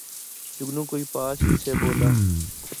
جگنو کوئی پاس ہی سے بولا